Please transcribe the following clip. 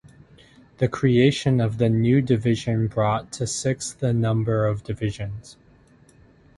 The creation of the new division brought to six the number of divisions.